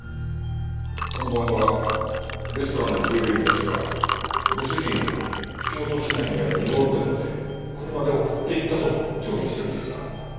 その晩はレストランの従業員たちがご主人を京都市内にある２号店まで車で送っていったと証言しているんですが。